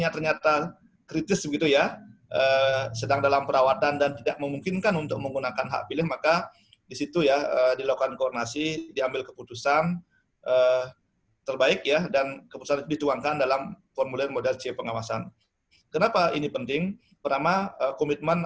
termasuk menentukan sikap apakah pasien tersebut dalam kondisi yang memungkinkan untuk mencoblos